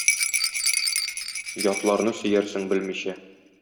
Ятларны сөярсең белмичә.